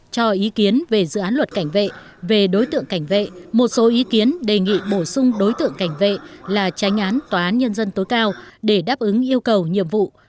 cho ý kiến về dự án luật cảnh vệ về đối tượng cảnh vệ một số ý kiến đề nghị bổ sung đối tượng cảnh vệ là tránh án tòa án nhân dân tối cao để đáp ứng yêu cầu nhiệm vụ